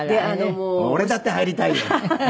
俺だって入りたいよお前。